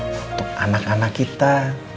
untuk anak anak kita